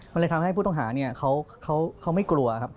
มันเลยทำให้ผู้ต้องหาเขาไม่กลัว